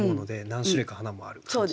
何種類か花もある感じ。